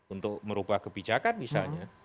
untuk merubah kebijakan misalnya